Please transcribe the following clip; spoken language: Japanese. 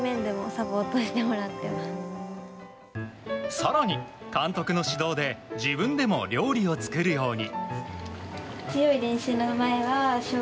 更に、監督の指導で自分でも料理を作るように。